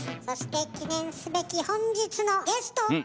そして記念すべき本日のゲスト！